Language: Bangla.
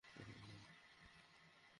আমিও গাইতে পারি।